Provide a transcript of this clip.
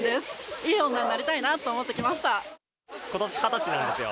いい女になりたいなと思って来まことし２０歳なんですよ。